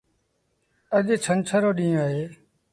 اَڄ ڇنڇر رو ڏيٚݩهݩ اهي۔